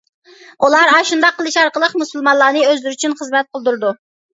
ئۇلار ئاشۇنداق قىلىش ئارقىلىق مۇسۇلمانلارنى ئۆزلىرى ئۈچۈن خىزمەت قىلدۇرىدۇ.